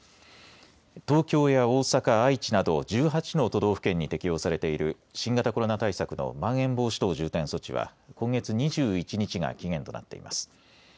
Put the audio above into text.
東京や大阪、愛知など１８の都道府県に適用されている新型コロナ対策のまん延防止等重点措置は今月２１日が期限となっています。